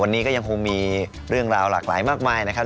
วันนี้ก็ยังคงมีเรื่องราวหลากหลายมากมายนะครับ